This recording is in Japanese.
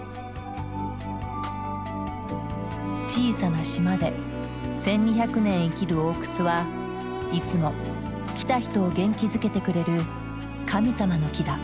小さな島で１，２００年生きる大くすはいつも来た人を元気づけてくれる神様の木だ。